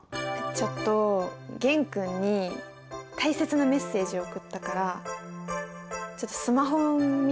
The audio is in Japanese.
ちょっと玄君に大切なメッセージを送ったからちょっとスマホ見てほしいなみたいな。